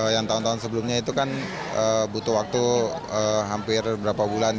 yang tahun tahun sebelumnya itu kan butuh waktu hampir berapa bulan